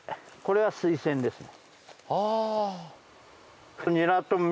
ではスイセンはですね